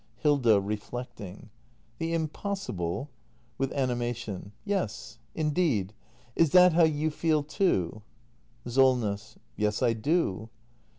Hilda. [Reflecting.] The impossible ? [With animation.] Yes, indeed ! Is that how you feel too ? Solness. Yes, I do.